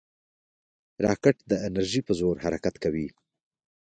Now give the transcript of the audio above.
راکټ د انرژۍ په زور حرکت کوي